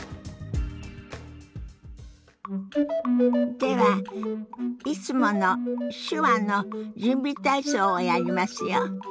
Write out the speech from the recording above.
ではいつもの手話の準備体操をやりますよ。